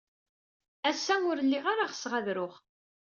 Ass-a, ur lliɣ ara ɣseɣ ad ruɣ.